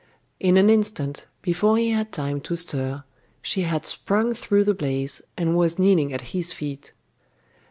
In an instant, before he had time to stir, she had sprung through the blaze, and was kneeling at his feet.